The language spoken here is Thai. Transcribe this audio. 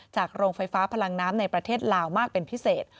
โรงไฟฟ้าพลังน้ำในประเทศลาวมากเป็นพิเศษ